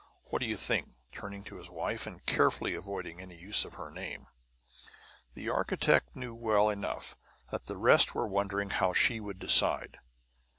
What do you think?" turning to his wife, and carefully avoiding any use of her name. The architect knew well enough that the rest were wondering how she would decide.